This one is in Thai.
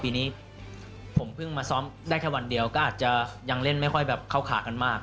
ปีนี้ผมเพิ่งมาซ้อมได้แค่วันเดียวก็อาจจะยังเล่นไม่ค่อยแบบเข้าขากันมาก